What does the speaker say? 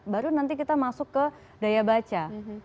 baru nanti kita masuk ke daya baca